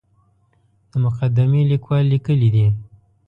د مقدمې لیکوال لیکلي دي.